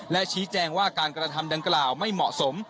และชี้แจงว่าการกระทำดังกล่าวไม่เหมาะสม